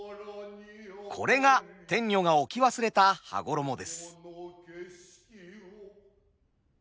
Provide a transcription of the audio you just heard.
これが天女が置き忘れた羽衣です。